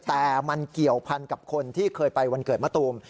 แต่มันเกี่ยวพันกับคนที่เคยไปวันเกิดมะตูม